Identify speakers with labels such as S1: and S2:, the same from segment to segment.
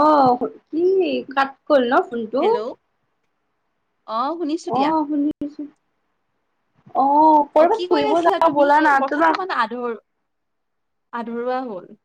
S1: অ কি কাট কল ন phone [inaudible]
S2: hello অ শুনিছোঁ দিয়া।
S1: অঁ।
S2: অ' কি কৈ আছিলা তুমি কথাটো মানে আধৰ- আধৰুৱা হল।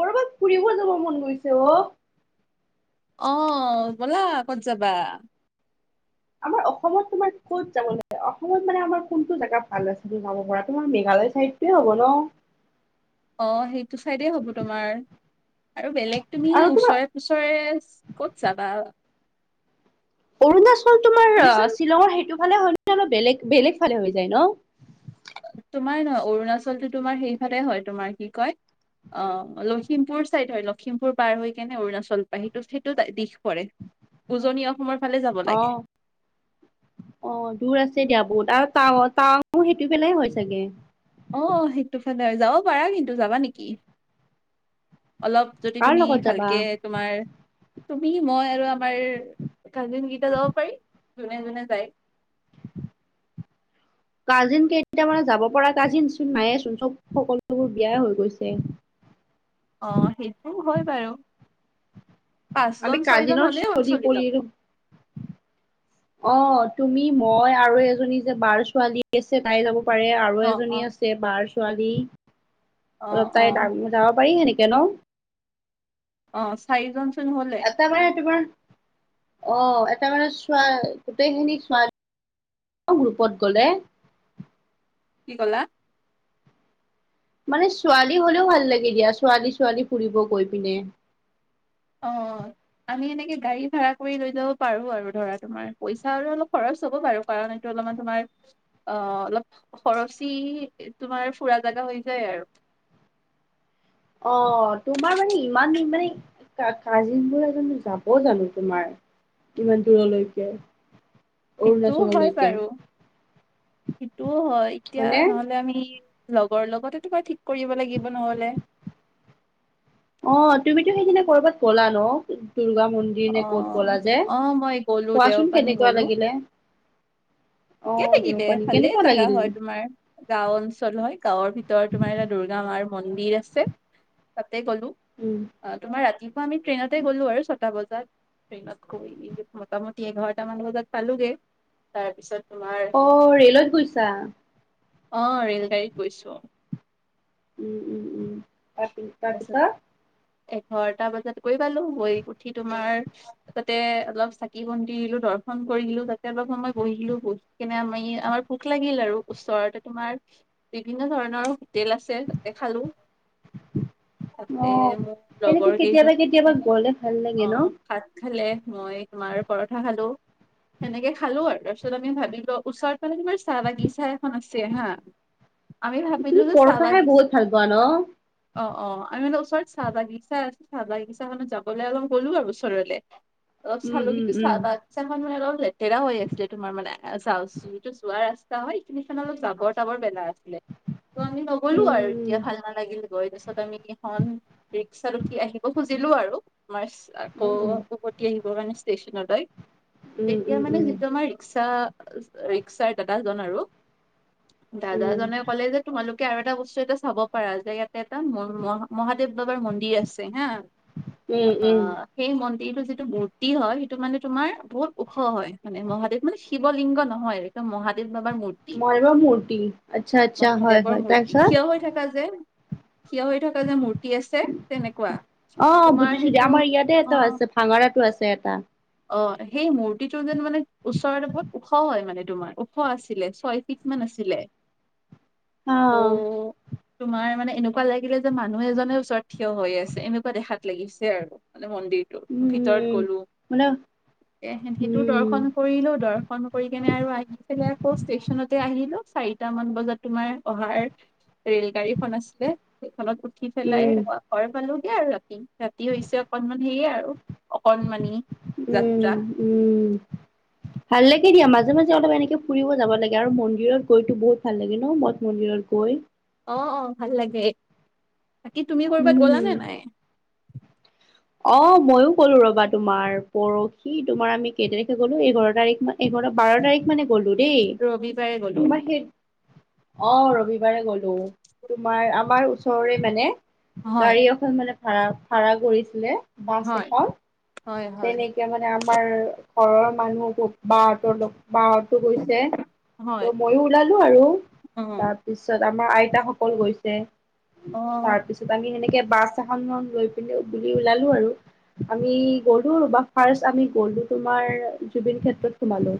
S1: কৰবাত ফুৰিব যাব মন গৈছে অ'।
S2: অ' ব'লা ক'ত যাবা?
S1: আমাৰ অসমত তোমাৰ কত যাব লাগে অসমত মানে আমাৰ কোনটো জেগা ভাল আছে ত যাব পৰা তোমাৰ মেঘালয় চাইদ। কি হ'ব ন [inaudible]
S2: অ' সেইটো চাইডে হব তোমাৰ আৰু বেলেগ তুমি
S1: আৰু তোমাৰ
S2: ওচৰে ওচৰে ক'ত যাবা?
S1: অৰুণাচল তোমাৰ
S2: তুমিচোন
S1: শ্বিলঙৰ সেইটো ফালে হয় অলপ বেলেগ বেলেগ ফালে হৈ যায় ন?
S2: তোমাৰ নহয় অৰুণাচলটো তোমাৰ সেইফালে হয় তোমাৰ কি কয় অ', লখিমপুৰ চাইদ হয় লক্ষিমপুৰ পাৰ হৈ কেনে অৰুণাচল পায় সেইটো সেইটো দিশ পৰে। উজনি অসমৰ ফালে যাব লাগে
S1: অ', অ', দূৰ আছে দিয়া বহুত আৰু টাৱাৰ টাৱাঙু সেইটো ফালেই হয় চাগে।
S2: অ', সেইটোফালে যাব পাৰা কিন্তু যাবা নেকি? অলপ যদি
S1: কাৰ
S2: তুমি
S1: লগত যাবা?
S2: ভালকে তোমাৰ তুমি মই আৰু আমাৰ কাজিন গেইটা যাব পাৰি যোনে যোনে যায়। [inaudible]
S1: কাজিন কেইটা মানে যাব পৰা কাজিন চোন নায়েচোন চব সকলোবোৰ বিয়াই হৈ গৈছে।
S2: অ', সেইটো হয় বাৰু
S1: আমি
S2: পাঁচজন ছয়জন
S1: কাজিনৰ
S2: হলেই হল
S1: চদি
S2: চলি যাব।
S1: কৰিলো।
S2: [inaudible]
S1: অ', তুমি মই আৰু এজনী যে বাৰ ছোৱালী আছে তাই যাব পাৰে আৰু
S2: অ অ
S1: এজনী আছে বাৰ ছোৱালী
S2: অ
S1: অলপ
S2: অ
S1: তাই যাব পাৰি সেনেকে ন'?
S2: অ', চাৰিজনচোন হলে।
S1: এটাকে তোমাৰ অ', এটা মানে চোৱা গোটেইখিনি [unintelligible] গুৰূপত গ'লে।
S2: কি ক'লা?
S1: মানে ছোৱালী হলেও ভাল লাগে দিয়া ছোৱালী ছোৱালী ফুৰিব গৈ পিনে।
S2: অ', আমি এনেকে গাড়ী ভাড়া কৰি লৈ যাব পাৰো আৰু ধৰা তোমাৰ পইচা আৰু অলপ খৰচ হ'ব বাৰু। কাৰন এইটো অলপমান তোমাৰ অ', অলপ খৰচী তোমাৰ ফুৰা জাগা হৈ যায় আৰু।
S1: অ', তোমাৰ মানে ইমান মানে কা কাজিনবোৰ জানো যাব জানো তোমাৰ ইমান দূৰলৈকে?
S2: সেইটোও হয়
S1: অৰুণাচললৈকে
S2: বাৰু সেইটোও হয় এতিয়া
S1: হয়নে?
S2: নহলে আমি লগৰ লগতেটো বা ঠিক কৰিব লাগিব নহ'লে।
S1: অ', তুমিতো সেইদিনা কৰবাত গ'লা ন' দুৰ্গা মন্দিৰ নে ক'ত
S2: অ',
S1: গ'লা যে?
S2: অ', মই গলো
S1: কোৱাচোন
S2: দেওপানী
S1: কেনেকুৱা
S2: গলো
S1: লাগিলে?
S2: ঠিকে
S1: অ'
S2: থাকিলে
S1: দেওপানী
S2: ভালে
S1: কেনেকুৱা
S2: জাগা
S1: লাগিল?
S2: হয় তোমাৰ গাঁও অঞ্চল হয়, গাঁৱৰ ভিতৰত তোমাৰ এটা দুৰ্গা মাৰ মন্দিৰ আছে। ততে গ'লো
S1: উম,
S2: অ', তোমাৰ ৰাতিপুৱা আমি ট্ৰেইনতে গলো আৰু চব টা বজাত ট্ৰেইনত মোটামুটি এঘাৰটামান বজাত পালোগে তাৰপিছত
S1: অ', ৰেলত গৈছা?
S2: অ', ৰেল গাড়ীত গৈছো
S1: উম, উম, উম, আপি
S2: তাৰপিছত এঘাৰটা বজাত গৈ পালো গৈ উঠি তোমাৰ তাতে অলপ চাকি বন্তি দলো দৰ্শন কৰিলো তাতে অলপ সময় বহিলো বহি কিনে আমি আমাৰ ভোক লাগিল আৰু ওচৰতে তোমাৰ বিভিন্ন ধৰণৰ হোটেল আছে তাতে খালো তাতে
S1: অ'
S2: মোৰ
S1: এনেকে
S2: লগৰ
S1: কেতিয়াবা কেতিয়াবা
S2: কেইজনে অ',
S1: গ'লে ভাল লাগে ন?
S2: অ', ভাত খালে মই তোমাৰ পৰঠা খালো সেনেকে খালো আৰু তাৰপিছত আমি ভাবিলো ওচৰত মানে তোমাৰ চাহ বাগিচা এখন আছে হাঁ
S1: তুমি পৰঠা খাই বহুত ভাল পোৱা ন?
S2: অ', অ' আমি মানে ওচৰত চাহ বাগিছা, চাহ বাগিছাখনত যাবলৈ অলপ গ'লো আৰু ওচৰলে। অলপ
S1: উম,
S2: চালো
S1: উম,
S2: কিন্তু চাহ
S1: উম।
S2: বাগিচাখন মানে অলপ লেতেৰা হৈ আছিলে তোমাৰ মানে এ চা যোনটো যোৱা ৰাস্তা হয় সেইখিনি অলপ জাবৰ তাবৰ পেলা আছিলে ত' আমি নগ গ'লো
S1: উম,
S2: আৰু এতিয়া ভাল নালাগিলেও গৈ পিছত আমি এখন ৰিক্সাত উঠি আহিব খুজিলো আৰু আমাৰ
S1: উম,
S2: আকৌ
S1: উম,
S2: উভতি আহিব কাৰনে ষ্টেচনলৈ
S1: উম,
S2: তেতিয়া
S1: উম,
S2: মানে যিটো আমাৰ ৰিক্সা ৰিক্সাৰ দাদাজন আৰু,
S1: উম।
S2: দাদাজনে ক'লে যে তোমালোকে আৰু এটা বস্তু এয়াতে চাব পাৰা যে ইয়াতে এটা মহ মহ মহাদেৱ বাবাৰ মন্দিৰ আছে হা।
S1: উম,
S2: আ
S1: উম,
S2: সেই মন্দিৰটো যিটো মূৰ্তি হয় সেইটো মানে তোমাৰ বহুত ওখ হয় মানে, মহাদেৱ মানে শিৱ লিংগ নহয় মহাদেৱ বাবাৰ মূৰ্
S1: ম'ৰ মূৰ্তি আচ্ছা, আচ্ছা হয়, হয় তাৰপিছত
S2: থাকা যে। থিয় হৈ থকা যে মূৰ্তি আছে তেনেকুৱা।
S1: অ
S2: তোমাৰ
S1: বুজিছো দিয়া,
S2: সেইটো
S1: আমাৰ ইয়াতে
S2: অ
S1: এটা আছে ভাঙৰাতো আছে এটা।
S2: অ সেই মূৰ্তিটো যেন মানে ওচৰৰে বহুত ওখ হয় মানে তোমাৰ উফ ছয়শ আছিলে ছয় ফিট মান আছিলে ত'
S1: অ
S2: তোমাৰ মানে এনেকুৱা লাগিলে যে মানুহ এজনে ওচৰত থিয় হৈ আছে এনেকুৱা দেখাত লাগিছে আৰু মানে মন্দিৰটো ভিতৰত
S1: উম
S2: গ'লো
S1: মানে
S2: তাকে সেইটো
S1: উম
S2: দৰ্শন কৰিলো দৰ্ ৰ্শন কৰি কেনে আৰু আহি পেলাই আকৌ ষ্টেচনতে আহিলো চাৰিটা মান বজাত তোমাৰ অহাৰ ৰেলগাড়ীখন আছিলে সেইখনত উঠি পেলাই
S1: উম
S2: ঘৰ পালোগে আৰু ৰাতি, ৰাতি হৈছে অকনমান হেয়ে আৰু। অকণমানি
S1: উম', উম'। ভাল লাগে দিয়া, মাজে মাজে অলপ এনেকে ফুৰিব যাব লাগে আৰু মন্দিৰত গৈতো বহুত ভাল লাগে ন মই মন্দিৰত গৈ
S2: অ', অ' ভাল লাগে বাকী তুমি কৰ'বাত গ'লা
S1: উম
S2: নে নাই।
S1: অ ময়ো গ'লো ৰবা তোমাৰ, পৰহি তোমাৰ আমি কেই তাৰিখে গ'লো এঘৰ তাৰিখ মান এঘৰ বাৰ তাৰিখ মানে গ'লো দেই
S2: ৰবিবাৰে গলো
S1: তোমাৰ সেই অ ৰবিবাৰে গ'লো তোমাৰ আমাৰ ওচৰৰে মানে
S2: হয়
S1: গাড়ী এখন মানে ভাড়া ভাড়া কৰিছিলে। বাছ
S2: হয়
S1: এখন
S2: হয় হয়
S1: তেনেকে মানে আমাৰ ঘৰৰ মানুহবো বা হঁতৰ লগ, বা হতো গৈছে
S2: হয়
S1: ত' মইও ওলালো আৰু
S2: অ
S1: তাত পিছত আমাৰ আইতাসকল গৈছে
S2: অ
S1: তাৰপিছ ত আমি সেনেকে বাছ এখন লৈ পিনে বুলি ওলালো আৰু। আমি গলো ৰবা, ফাৰ্ষ্ট আমি গলো তোমাৰ জুবিন ক্ষেত্ৰত সোমালো।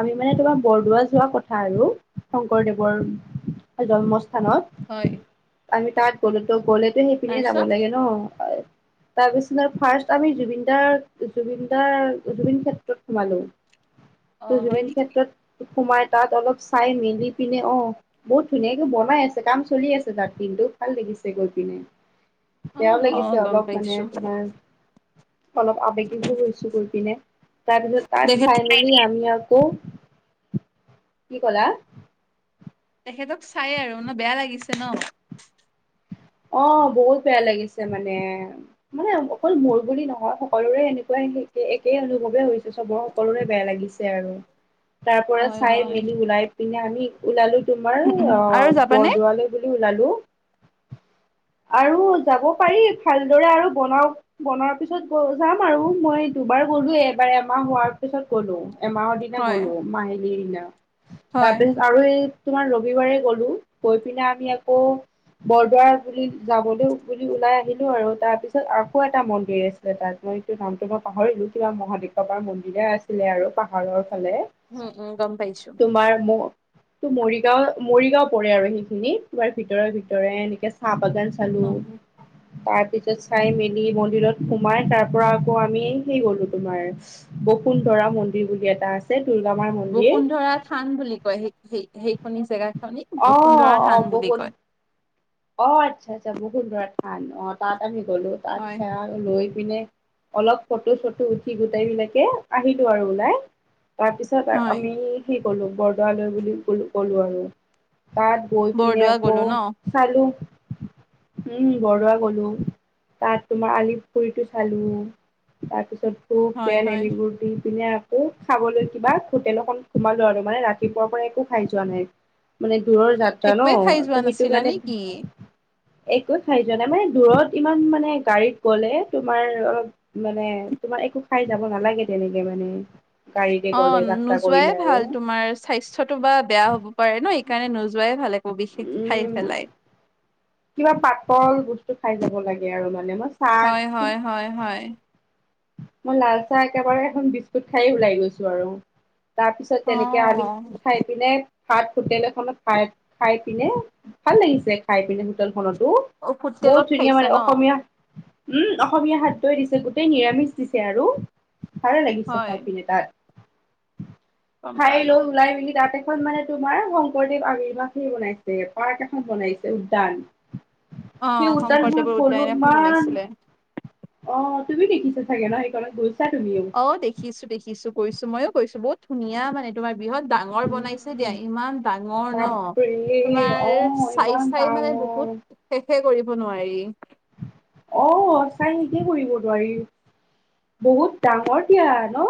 S1: আমি মানে তোমাৰ বৰদোৱা যোৱা কথা আৰু শংকৰদেৱৰ হয় জন্মস্থানত
S2: হয়
S1: আহি তাত গ'লো ত' গ'লেতো সেইপিনেই যাব
S2: তাৰপিছত
S1: লাগে ন।
S2: [inaudible]
S1: তাৰপিছনত ফাৰ্ষ্ট আমি জুবিনদাক, জুবিনদাৰ জুবিন ক্ষেত্ৰত সোমালো।
S2: অ
S1: ত
S2: হয়
S1: জুবিন
S2: নেকি
S1: ক্ষেত্ৰত সোমাই, তাত অলপ চাই মেলি পিনে অ'। বহুত ধুনীয়াকে বনাই আছে, কাম চলি আছে তাত কিন্তু ভাল লাগিছে গৈ পিনে।
S2: অ
S1: বেয়াও
S2: অ
S1: লাগিছে
S2: গম
S1: অলপ মানে
S2: পাইছো
S1: তোমাৰ অলপ আৱেগিকো হৈছো গৈ পিনে তাৰপিছত তাত
S2: তেখেত
S1: চাই মেলি আমি আকৌ কি কলা।
S2: তেখেতক চাই আৰু ন বেয়া লাগিছে ন।
S1: অ বহুত বেয়া লাগিছে মানে মানে অকল মোৰ বুলি নহয় সকলোৰে এনেকুৱাই এ একেই অনুভৱে হৈছে চবৰ সকলোৰে বেয়া লাগিছ। ছে আৰু তাৰ পৰা
S2: হয়
S1: চাই
S2: হয়
S1: মেলি ওলাই পিনে আমি ওলালো তোমাৰ অ
S2: আৰু যাবানে
S1: বৰদোৱালৈ বুলি ওলালো আৰু যাব পাৰি ভালদৰে আৰু বনাও বনোৱাৰ পিছত গ যাম আৰু মই দুবাৰ গ'লো এবাৰ এমাহ হোৱাৰ পিছত গলো এমাহৰ দিনা
S2: হয়
S1: গলো মাহিলি দিনা
S2: হয়
S1: তাৰপিছ আৰু এই তোমাৰ ৰবিবাৰেই গ'লো গৈ পিনে আমি আকৌ বৰদোৱাৰ বুলি যাবলৈ বুলি ওলাই আহিলো আৰু তাৰ পিছত আকৌ এটা মন্দিৰ আছে। তাত মই এইটো নামটো মই পাহৰিলো কিবা মহাদেৱ বাবাৰ মন্দিৰে হে আছিলে আৰু পাহাৰৰ ফালে।
S2: উম উম গম পাইছো।
S1: তোমাৰ ম ত মৰিগাঁও মৰিগাঁও পৰে আৰু সেইখিনি তোমাৰ ভিতৰ ভিত ৰে এনেকে চাহ বাগান চালো
S2: উম উম
S1: তাৰ পিছত চাই মেলি ম ন্দিৰত সোমাই তাৰ পৰা আকৌ আমি সেই গলো তোমাৰ বসুন্ধৰা মন্দিৰ বুলি এটা আছ। ছে দুৰ্গামাৰ।
S2: বসুন্ধৰা থান বুলি কয় সেই সেই সেইখনি জেগা খনি
S1: অ
S2: বসুন্ধৰা
S1: অ
S2: থান বুলি
S1: বহুত
S2: কয়।
S1: অ আচ্ছা আচ্ছা বহুন্ধৰা থান অ তাত আমি গ'লো তাত
S2: হয়
S1: সেৱা লৈ পিনে অলপ ফটো চটো উঠি গোটেই বিলাকে আহিলো আৰু ওলাই। তাৰ পিছত আ
S2: হয়।
S1: আমি সেই গলো বৰদোৱালৈ বুলি কলো গলো আৰু তাত গই পিনে
S2: বৰদোৱা
S1: আকৌ
S2: গ'লো ন?
S1: চালো। উম বৰদোৱা গলো তাত তোমাৰ আলি পুুখুৰীটো চালো। তাৰপিছত ধোপ
S2: হয়
S1: তেল
S2: হয়।
S1: এলিবু দি পিনে আ কৌ খাবলৈ কিবা হোটেল এখন হোমালো আৰু মানে ৰাতিপুৱাৰ পৰা একো খাই যোৱা নাই। মানে দূৰৰ যাত্ৰা ন
S2: একোৱে খাই যোৱা
S1: ত সেইটো
S2: নাছিলা
S1: কাৰণে।
S2: নেকি?
S1: একোৱে খাই যোৱা নাই মানে দূৰত ইমান মানে গাড়ীত গলে তোমাৰ অলপ মানে তোমাৰ একো খাই যাব নালাগে তেনেকে মানে। গাড়ীৰে
S2: অ
S1: গ'লে যাত্ৰা
S2: নোযোৱাই
S1: কৰিলে আৰু
S2: ভাল তোমাৰচ স্বাস্থ্যতটো বা বেয়া হ'ব পাৰে ন এইকাৰণে নোযোৱাই ভাল একো বিশেষ খাই
S1: উম।
S2: পেলাই।
S1: কিবা পাতল বস্তু খাই যাব লাগে আৰু মানে মাছ।
S2: হয় হয় হয় হয়।
S1: মই লাল চাহ একেবাৰে এখন বিস্কুট খাই ওলাই গৈছো আৰু। তাৰ পিছত
S2: অ
S1: তেনেকে আমি খাই পিনে ভাত হোটেল এখনত খাই খাই পিনে ভাল লাগিছে খাই পিনে হোটেলখনতো।
S2: অ হোটেলত
S1: বহুত ধুনীয়া
S2: খাইছা
S1: মানে
S2: ন?
S1: অসমীয়া উম অসমীয়া শাকটোৱে দিছে গোটেই নিৰামিষ দিছে আৰু ভালো লাগিছে
S2: হয়।
S1: খাই পিনে তাত।
S2: গম
S1: খাই
S2: পালো
S1: লৈ ওলাই মেলি তাতে। এখন মানে তোমাৰ শংকৰদেৱ আৱিবাসে বনাইছে পাৰ্ক এখন বনাইছে উদ্যান।
S2: অ
S1: সেই উদ্যান
S2: শংকৰদেৱৰ
S1: খনত
S2: উদ্যান
S1: গলো
S2: এখন বনাইছিলে।
S1: তোমাৰ অ তুমি দেখিছা চাগে ন সেইখনণত গৈছা তুমিও।
S2: অ দেখিছো দেখিছো কৰিছো ময়ো কৈছো বহুত ধুনীয়া মানে। তোমাৰ বিহত ডাঙৰ বনাইছে
S1: উম
S2: দিয়া, ইমান ডাঙৰ ন
S1: বাপৰে অ
S2: তোমাৰ
S1: ইমান
S2: চাই-চাই মানে বহুত
S1: ডাঙৰ
S2: শেষে কৰিব নোৱাৰি।
S1: অ, চাই শেষেই কৰিব নোৱাৰি। বহুত ডাঙৰ দিয়া ন।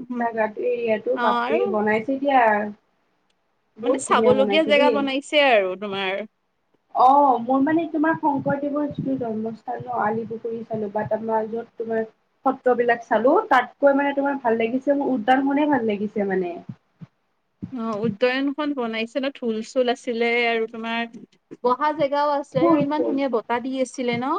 S2: উম,
S1: তাকাত এৰিয়াতো
S2: অ আৰু
S1: বাপ্ৰেই বনাইছে দিয়া।
S2: মানে
S1: বহুত ধুনীয়া
S2: চাবলগীয়া
S1: বনাইছে
S2: জেগা
S1: দেই।
S2: বনাইছে আৰু তোমাৰ।
S1: অ মই মানে তোমাৰ শংকৰদেৱৰ যিটো জন্মস্থান ন', আলি পুখুৰী চালো বা তাৰমাৰ য'ত তোমাৰ সত্ৰবিলাক চালো তাতকৈ মানে তোমাৰ ভাল লাগিছে মোৰ উদ্যান খনে ভাল লাগিছে মানে।
S2: অ, উদ্যানখন বনাইছে ন ঢুল চুল আছিলে আৰু তোমাৰ বহা জেগাও আছিল। উদ্যান তাতে
S1: ফুল
S2: আৰু ইমান
S1: ফুল
S2: ধুনীয়া বটাহ দি আছিলে ন।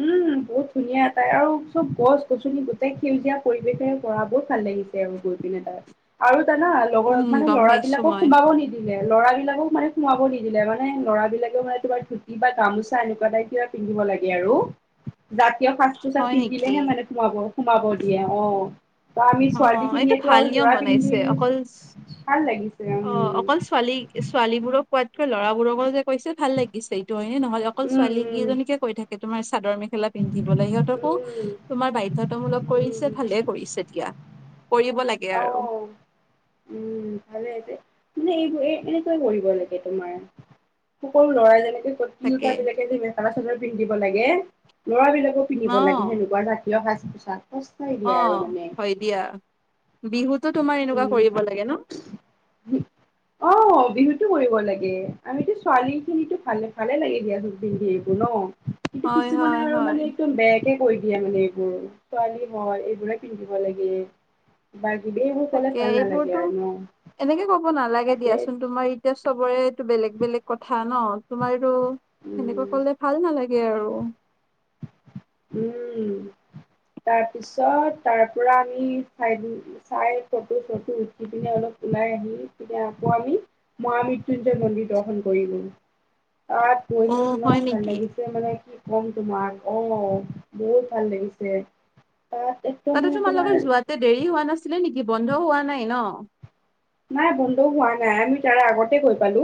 S1: উম, বহুত ধুনীয়া এটাই আৰু চব গছ গছনি গোটেই সেউজীয়া পৰিৱেশে পঢ়া বহুত ভাল লাগিছে আৰু গৈ পিনে এ তাত। আৰু জানা লগ
S2: উম
S1: মানে
S2: গম পাইছো
S1: ল'ৰাবলাকক
S2: মই
S1: সোমাব নিদিয়ে। লৰা বিলাকক মানে সোমাব নিদিলে মানে লৰাবলাকে মানে তোমাৰ ধুতি বা গামোচা এনেকুৱা টাইপৰ পিন্ধিব লাগে আৰু। জাতীয় সাজ পোছাক
S2: হয় নেকি
S1: পিন্ধিলেহে মানে সোমাব-সোমাব দিয়ে। অ', ধয়া আমি
S2: অ
S1: ছোৱালী
S2: এইটো
S1: খিনিয়েতো
S2: ভাল
S1: আৰু
S2: নিয়ম
S1: যোৰা
S2: বনাইছে
S1: পিন্ধি
S2: অকল
S1: গৈছো। ভাল লাগিছে।
S2: অ
S1: উম,
S2: অকল ছোৱালী বোৰক কোৱাতকৈ ল'ৰাবোৰকো যে কৈছে ভাল লাগিছে। হয়নে নহয় অকল ছোৱালী
S1: উম,
S2: কেইজনীকে কৈ থাকে। তোমাৰ চাদৰ মেখেলা পিন্ধিবলৈ সিহঁতকো
S1: উম,
S2: তোমাৰ বাধ্যকতামূলক
S1: উম, উম,
S2: কৰিছে ভালে কৰিছে দিয়া। কৰিব লাগে।
S1: অ,
S2: আৰু
S1: উম, ভালে যে মানে এইবোৰ এই এনেকুৱা কৰিব লাগে তোমাৰ। সৰু লৰাই যেনেকে কৈছে তিওতা
S2: তাকে
S1: বিলাকে যে মেখা চাদৰ পিন্ধিব লাগে লৰা বিলাকো
S2: অ
S1: পিন্ধিব লাগে সেনেকুৱাক। প্ৰিয় সাজ-পোছাক।
S2: অ, হয় দিয়া বিহুতো তোমাৰ এনেকুৱা
S1: উম
S2: কৰিব লাগে ন। [inaudible]
S1: অ, বিহুতো কৰিব লাগে আমিতো ছোৱালী খিনিতো ভালে-ভালে লাগে দিয়াচোন পিন্ধি এইবোৰ ন। কিন্তু
S2: হয়
S1: কিছুমানে
S2: হয়
S1: আৰু
S2: হয়
S1: মানে একদম বেয়াকে কৈ দিয়ে মানে এইবোৰ ছোৱালী হয় এইবোৰে পিন্ধিব লাগে, বা এইবোৰ ক'লে
S2: তাকে
S1: ভাল নালাগে
S2: এইবোৰতো
S1: আৰু ন।
S2: এনেকে ক'ব নালাগে
S1: তাকে
S2: দিয়াচোন তোমাৰ এতিয়া চবৰেটো বেলেগ-বেলেগ কথা ন। তোমাৰো সেনেকুৱা
S1: উম
S2: কলে ভাল নালাগে আৰু।
S1: উম, তাৰ পিছত তাৰ পৰা আমি চাই দি, চাই ফটো চটো উঠি পিনে অলপ ওলাই আহি পিনে আকৌ আমি, মহা মৃত্যুঞ্জয় মন্দিৰ দৰ্শন কৰিলোঁ। গৈ
S2: অ
S1: মানে
S2: হয়
S1: ইমান ভাল
S2: নেকি
S1: লাগিছে মানে কি ক'ম তোমাক অ', বহুত ভাল লাগিছে তাতে,
S2: তাতে তোমাৰ লগত যোৱাতে দেৰি হোৱা নাছিলে নেকি বন্ধও হোৱা নাই ন।
S1: নাই বন্ধও হোৱা নাই আমি তাৰে আগতে গৈ পালো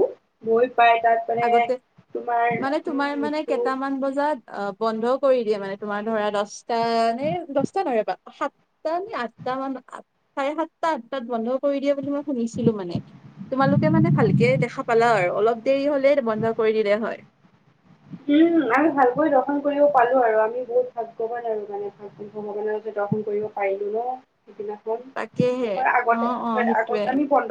S1: গৈ পাই তাত মানে
S2: আগতে
S1: তোমাৰ
S2: মানে তোমাৰ
S1: উম
S2: মানে
S1: তোৰ
S2: কেইটামান বজাত অ, বন্ধ কৰি দিয়ে মানে তোমাৰ ধৰা দহটা নে দহটা ধৰে বা সাত তায়ে আঠটা মানত চাৰে সাতটা আঠটা বন্ধ কৈ দিয়ে বুলি মই শুনিছিলো মানে তোমালোকে মানে ভালকে দেখা পালাআ অলপ দেৰি হ'ল। [unintelligible] বন্ধ কৰি দিলে হয়
S1: উম আমি ভালকৈ দৰ্শন কৰিব পালো আৰু আমি বহুত ভাগ্যৱান আৰু গানে ভ ভ ভৱানে যে দৰ্শন কৰিব পাৰিলো ন সেদিনাখন
S2: তাকেহে
S1: তাৰ
S2: অ
S1: আগতে
S2: অ সেইটোৱে
S1: আগত আমি বন্ধ